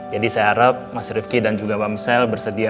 jadi saya harap mas rifiki dan juga mbak misel bersedia